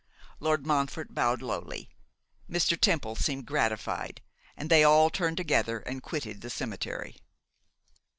Lord Montfort bowed lowly, Mr. Temple seemed gratified, and they all turned together and quitted the cemetery.